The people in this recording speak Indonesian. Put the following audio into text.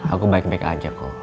aku baik baik aja kok